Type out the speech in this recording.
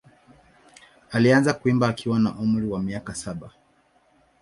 Alianza kuimba akiwa na umri wa miaka saba.